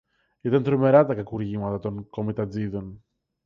Ήταν τρομερά τα κακουργήματα των κομιτατζήδων.